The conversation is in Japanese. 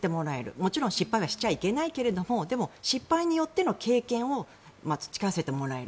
もちろん失敗はしちゃいけないけれどもでも、失敗によっての経験を培わせてもらえる。